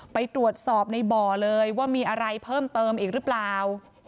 ไปตรวจสอบในบ่อเลยว่ามีอะไรเพิ่มเติมอีกหรือเปล่า